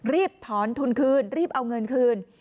รีบถอนทุนคืนรีบเอาเงินคืน